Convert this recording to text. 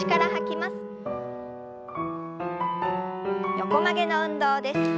横曲げの運動です。